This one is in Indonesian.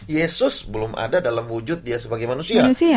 yesus belum ada dalam wujud dia sebagai manusia